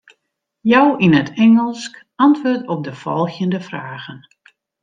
Jou yn it Ingelsk antwurd op de folgjende fragen.